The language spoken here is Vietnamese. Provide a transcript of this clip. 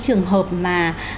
trường hợp mà